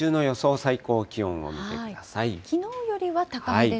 最高気温を見てください。